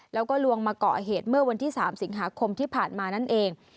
แล้วก็ลวงมาเกาะเหตุเมื่อวันที่๓สิงหาคมที่ผ่านมานั่นเอง